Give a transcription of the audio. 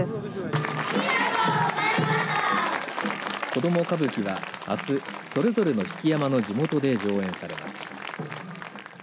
子ども歌舞伎は、あすそれぞれの曳山の地元で上演されます。